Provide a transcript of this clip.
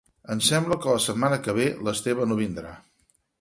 Em sembla que la setmana que ve l'Esteve no vindrà.